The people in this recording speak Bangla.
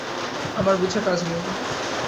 আমার বুঝে কাজ নেই।